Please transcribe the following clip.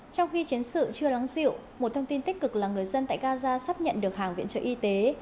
trong khi chiến sự chưa lắng dịu một thông tin tích cực là người dân tại gaza sắp nhận được hàng viện trợ y tế